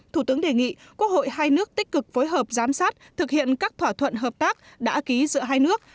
thủ tướng đề nghị quốc hội hai nước tích cực phối hợp giám sát thực hiện các thỏa thuận hợp tác đã ký giữa hai nước